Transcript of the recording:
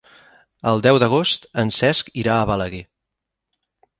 El deu d'agost en Cesc irà a Balaguer.